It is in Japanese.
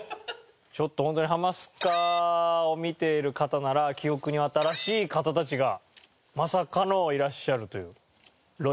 ちょっとホントに『ハマスカ』を見ている方なら記憶に新しい方たちがまさかのいらっしゃるという。